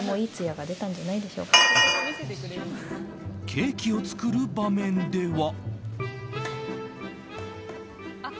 ケーキを作る場面では。